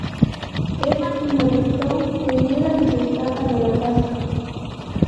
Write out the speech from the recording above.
Evan, molesto, se niega y se escapa de la casa.